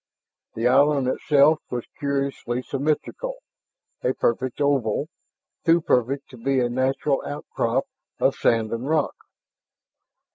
The island itself was curiously symmetrical, a perfect oval, too perfect to be a natural outcrop of sand and rock.